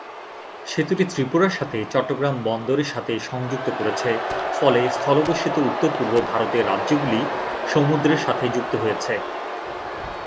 সেতুটি ত্রিপুরার সাথে চট্টগ্রাম বন্দরের সাথে সংযুক্ত করেছে, ফলে স্থলবেষ্টিত উত্তর-পূর্ব ভারতের রাজ্যগুলি সমুদ্রের সাথে যুক্ত হয়েছে।